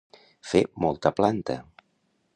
Fer molta planta.